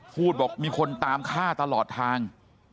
พูดบอกมีคนตามฆ่าตลอดทาง